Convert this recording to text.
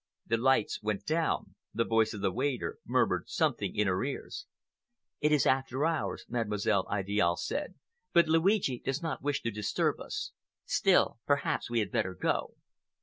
The lights went down. The voice of the waiter murmured something in his ears. "It is after hours," Mademoiselle Idiale said, "but Luigi does not wish to disturb us. Still, perhaps we had better go."